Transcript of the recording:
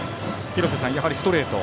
廣瀬さん、やはりストレート。